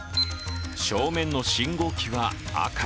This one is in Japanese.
正面の信号機は赤。